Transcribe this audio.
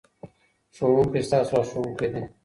ښوونکی ستاسو لارښوونکی دی.